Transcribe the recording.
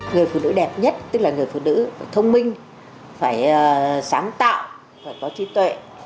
người phụ nữ đẹp nhất tức là người phụ nữ thông minh phải sáng tạo phải có trí tuệ